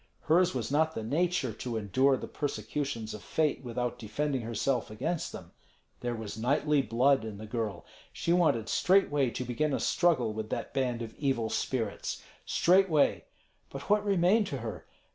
Hers was not the nature to endure the persecutions of fate without defending herself against them. There was knightly blood in the girl. She wanted straightway to begin a struggle with that band of evil spirits, straightway. But what remained to her?